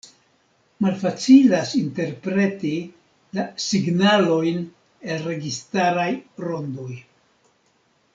Malfacilas interpreti la “signalojn el registaraj rondoj.